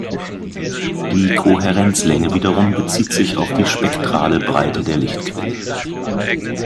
Die Kohärenzlänge wiederum bezieht sich auf die spektrale Breite der Lichtquelle.